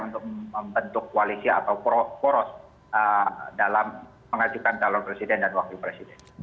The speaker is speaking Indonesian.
untuk membentuk koalisi atau poros dalam mengajukan calon presiden dan wakil presiden